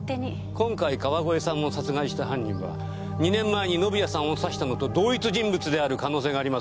今回川越さんを殺害した犯人は２年前に宣也さんを刺したのと同一人物である可能性があります。